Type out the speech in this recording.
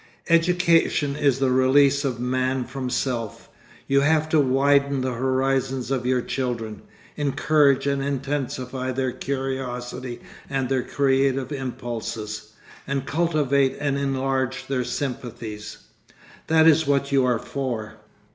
Education is the release of man from self. You have to widen the horizons of your children, encourage and intensify their curiosity and their creative impulses, and cultivate and enlarge their sympathies. That is what you are for.